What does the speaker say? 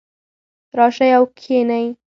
راشئ او کښېنئ